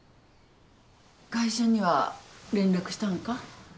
会社には連絡したのか？